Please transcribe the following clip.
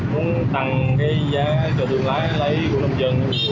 muốn tăng cái giá cho thương lái lấy của nông dân